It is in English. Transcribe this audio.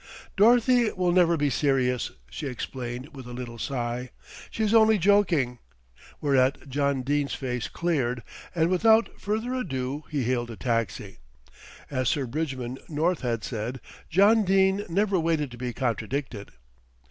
"Dorothy will never be serious," she explained with a little sigh. "She's only joking," whereat John Dene's face cleared, and without further ado he hailed a taxi. As Sir Bridgman North had said, John Dene never waited to be contradicted.